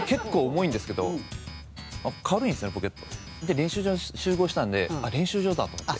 練習場に集合したんで練習場だ！と思って。